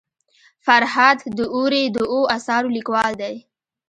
فرهاد داوري د اوو اثارو لیکوال دی.